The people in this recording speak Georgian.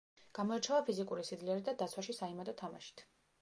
გამოირჩევა ფიზიკური სიძლიერით და დაცვაში საიმედო თამაშით.